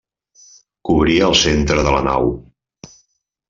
Cobria el centre de la nau.